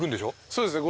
そうですね。